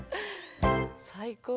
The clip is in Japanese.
最高。